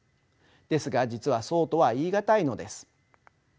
ですが実はそうとは言い難いのです。